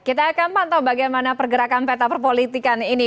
kita akan pantau bagaimana pergerakan peta perpolitikan ini